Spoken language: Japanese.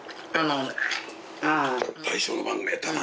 大将の番組やったな。